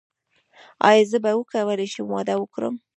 ایا زه به وکولی شم واده وکړم؟